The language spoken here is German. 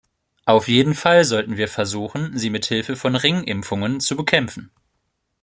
Auf jeden Fall sollten wir versuchen, sie mit Hilfe von Ringimpfungen zu bekämpfen.